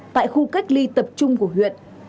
tại khu cách ly tập trung của huyện